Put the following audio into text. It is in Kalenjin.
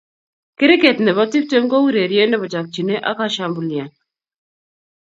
Kriket ne bo tiptem ko urerie ne bo chokchinee ak kashambulian.